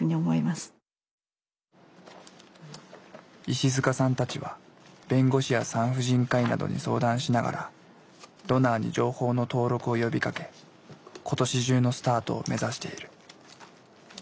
石塚さんたちは弁護士や産婦人科医などに相談しながらドナーに情報の登録を呼びかけ今年中のスタートを目指している。